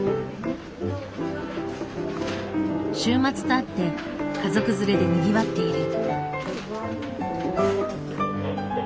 週末とあって家族連れでにぎわっている。